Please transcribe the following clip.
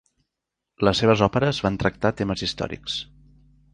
Les seves òperes van tractar temes històrics.